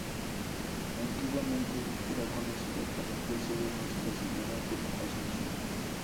Antiguamente era conocida como Iglesia de Nuestra Señora de la Asunción.